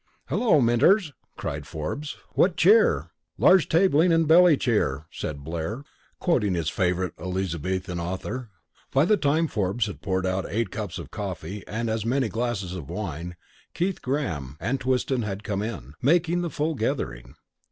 "Hello, Minters!" cried Forbes. "What cheer?" "Large tabling and belly cheer," said Blair, quoting his favourite Elizabethan author. By the time Forbes had poured out eight cups of coffee and as many glasses of wine, Keith, Graham, and Twiston had come in, making the full gathering.